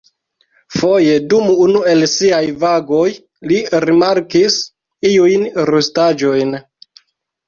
Foje, dum unu el siaj vagoj, li rimarkis iujn rustaĵojn.